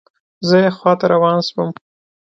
زه یې خواته روان شوم.